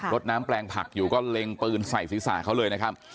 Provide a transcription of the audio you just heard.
ดน้ำแปลงผักอยู่ก็เล็งปืนใส่ศีรษะเขาเลยนะครับ